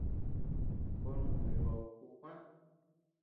Boo nuni baku kuu kuäa.